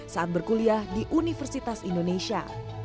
saat berkuliah di universitas indonesia